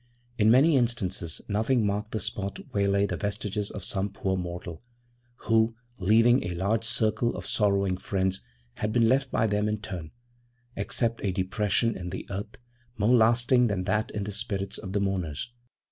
In many instances nothing marked the spot where lay the vestiges of some poor mortal who, leaving 'a large circle of sorrowing friends,' had been left by them in turn except a depression in the earth, more lasting than that in the spirits of the mourners.